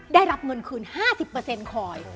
ได้รับเงินคืน๕๐คอย